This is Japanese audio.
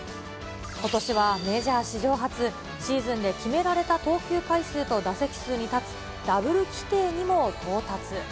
ことしはメジャー史上初、シーズンで決められた投球回数と打席数に立つ、ダブル規定にも到達。